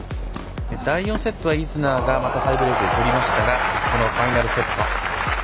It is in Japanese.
第４セットはイズナーがまたタイブレークをとりましたがファイナルセット。